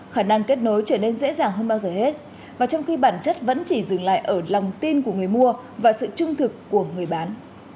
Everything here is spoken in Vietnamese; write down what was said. khả năng kết nối trở nên dễ dàng hơn bao giờ hết và trong khi bản chất vẫn chỉ dừng lại ở lòng tin của người mua và sự trung thực của người bán